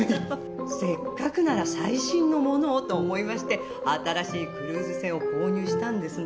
せっかくなら最新のものをと思いまして新しいクルーズ船を購入したんですの。